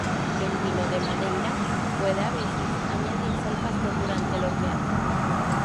El vino de Madeira puede a veces añadirse al pastel durante el horneado.